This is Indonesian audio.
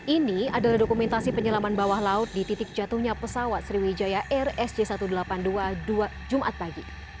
ini adalah dokumentasi penyelaman bawah laut di titik jatuhnya pesawat sriwijaya air sj satu ratus delapan puluh dua jumat pagi